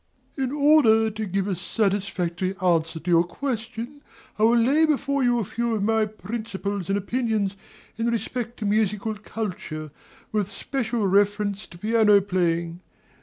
DOMINIE. In order to give a satisfactory answer to your question, I will lay before you a few of my principles and opinions in respect to musical culture, with special reference to piano playing.